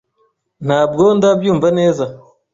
Ntabwo ndabyumva neza.